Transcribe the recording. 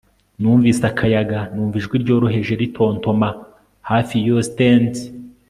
Numvise akayaga numva ijwi ryoroheje ritontoma hafi yiyo stand